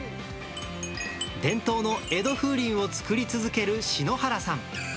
伝統の江戸風鈴を作り続ける篠原さん。